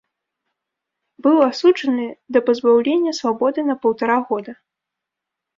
Быў асуджаны да пазбаўлення свабоды на паўтара года.